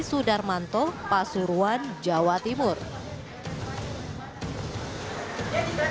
masyarakat masih mencari pengobatan lainnya